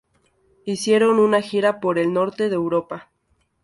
Hicieron una gira por el norte de Europa.